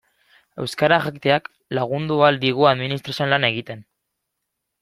Euskara jakiteak lagundu ahal digu administrazioan lan egiten.